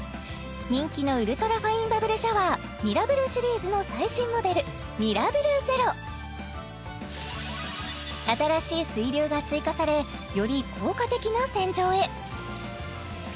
人気のウルトラファインバブルシャワーミラブルシリーズの最新モデルミラブルｚｅｒｏ新しい水流が追加されより効果的な洗浄へ！